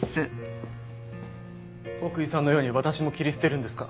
奥居さんのように私も切り捨てるんですか？